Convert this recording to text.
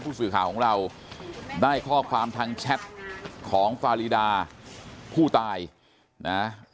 สื่อข่าวของเราได้ข้อความทางแชทของฟารีดาผู้ตายนะ